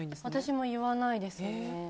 私も言わないですね。